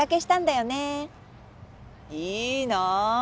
いいなあ！